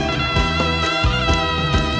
กลับไปที่นี่